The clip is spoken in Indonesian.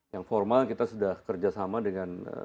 yang formal kita sudah kerjasama dengan